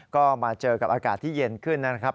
ก็มาเจอกับอากาศที่เย็นขึ้นนะครับ